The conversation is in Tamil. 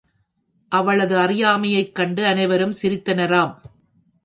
அவளது அறியாமையைக் கண்டு அனைவரும் சிரித்தனராம்.